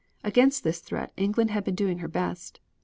Against this threat England had been doing her best.